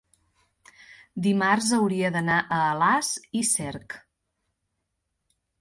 dimarts hauria d'anar a Alàs i Cerc.